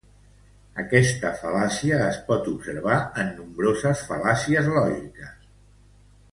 Aquesta fal·làcia es pot observar en nombroses fal·làcies lògiques.